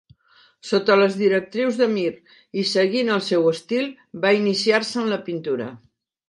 Sota les directrius de Mir i seguint el seu estil, va iniciar-se en la pintura.